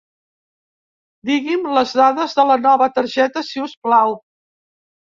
Digui'm les dades de la nova targeta si us plau.